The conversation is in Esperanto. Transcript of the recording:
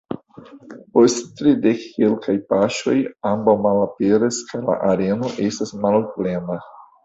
Post tridek-kelkaj paŝoj ambaŭ malaperas kaj la areno estas malplena.